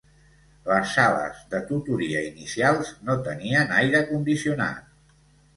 Les sales de tutoria inicials no tenien aire condicionat.